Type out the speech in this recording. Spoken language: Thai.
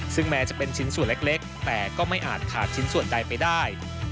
ซึ่งแม้จะเป็นชิ้นส่วนเล็กแต่ก็ไม่อาจขาดชิ้นส่วนใดไปได้